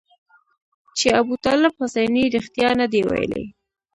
چې ابوطالب حسیني رښتیا نه دي ویلي.